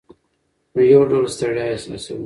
نو یو ډول ستړیا احساسوو.